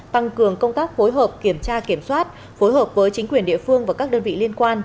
tăng cường công tác phối hợp kiểm tra kiểm soát phối hợp với chính quyền địa phương và các đơn vị liên quan